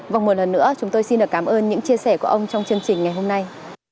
và một lần nữa chúng tôi xin được cảm ơn những chia sẻ của ông trong chương trình ngày hôm nay